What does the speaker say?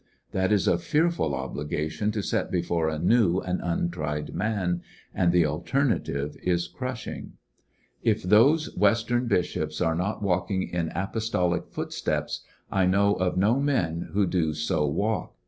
That is a fearful obligation to set before a new and untried man, and the alter native is crushing. In apostolic If those Western bishops are not walking in apostolic footsteps, I know of no men who do so walk.